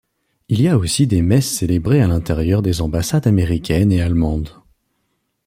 Il y a aussi des messes célébrées à l'intérieur des ambassades américaine et allemande.